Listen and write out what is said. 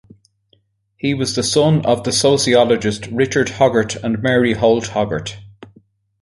He was the son of the sociologist Richard Hoggart and Mary Holt Hoggart.